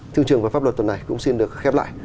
thương trường và pháp luật tuần này cũng xin được khép lại